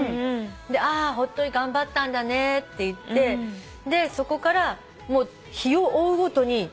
あホントに頑張ったんだねって言ってそこから日を追うごとに慣れてく。